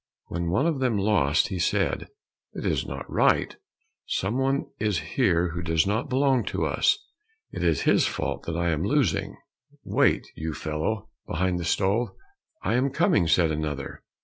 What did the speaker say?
When one of them lost, he said, "It is not right; some one is here who does not belong to us; it is his fault that I am losing." "Wait, you fellow behind the stove, I am coming," said another.